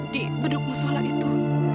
di pendukung sholat itu